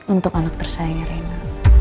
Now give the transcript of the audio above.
untuk anak tersayang reina